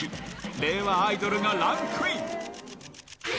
令和アイドルがランクイン。